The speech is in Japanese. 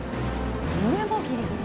上もギリギリ。